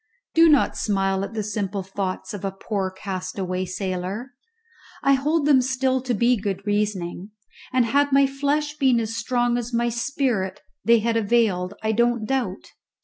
Do not smile at the simple thoughts of a poor castaway sailor. I hold them still to be good reasoning, and had my flesh been as strong as my spirit they had availed, I don't doubt.